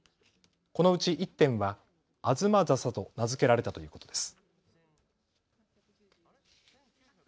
このうち１点はアズマザサと名付けられたということです。